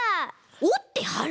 おってはる？